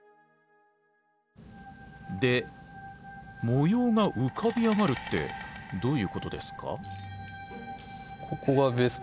で模様が浮かび上がるってどういうことですか？